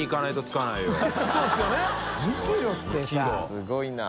すごいな。